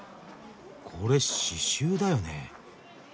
これ刺しゅうだよね？